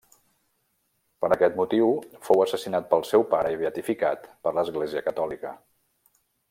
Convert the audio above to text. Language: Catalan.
Per aquest motiu fou assassinat pel seu pare i beatificat per l'Església catòlica.